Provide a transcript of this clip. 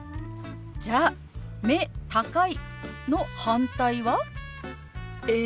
じゃあ「目高い」の反対は？え？